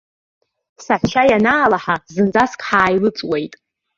Саҳәшьа ианаалаҳа, зынӡаск ҳааилыҵуеит.